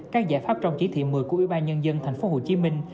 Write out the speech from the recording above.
các giải pháp trong chỉ thị một mươi của ủy ban nhân dân tp hcm